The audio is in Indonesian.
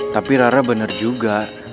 tapi rara bener juga